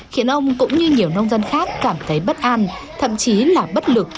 khiến ông cũng như nhiều nông dân khác cảm thấy bất an thậm chí là bất lực